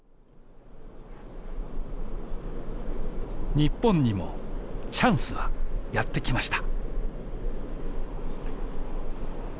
日本にもチャンスはやってきました